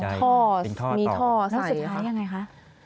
แล้วสุดท้ายยังไงคะ